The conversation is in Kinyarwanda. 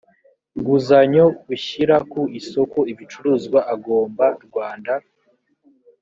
nguzanyo ushyira ku isoko ibicuruzwa agomba rwanda